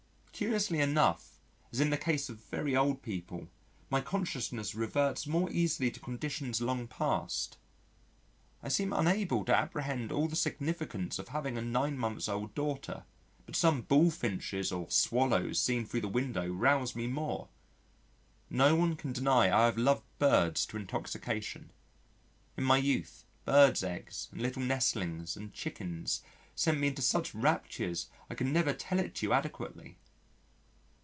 Curiously enough, as in the case of very old people, my consciousness reverts more easily to conditions long past. I seem unable to apprehend all the significance of having a nine months old daughter, but some Bullfinches or Swallows seen thro' the window rouse me more. No one can deny I have loved Birds to intoxication. In my youth, birds' eggs, and little nestlings and chickens sent me into such raptures I could never tell it to you adequately....